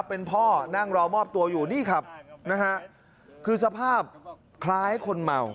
เป็นพ่อนั่งรอมอบตัวอยู่นี่ครับนะฮะคือสภาพคล้ายคนเมา